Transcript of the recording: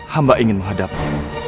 hamba ingin menghadapmu